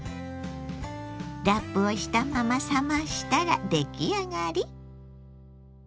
ラップをしたまま冷ましたら出来上がり。